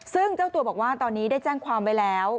ซึ่งเจ้าตัวบอกว่าตอนนี้ได้แจ้งความไว้แล้ว